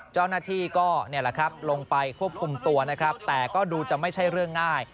เจ้านาฬิก็ลงไปควบคุมตัวแต่ก็ดูจะไม่ใช่เรื่องง่าย